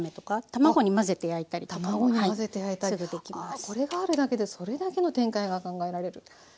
ああこれがあるだけでそれだけの展開が考えられる。